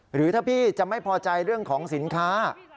หรือถ้าพี่จะไม่พอใจเรื่องของสินค้า